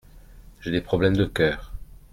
J’ai des problèmes de cœur.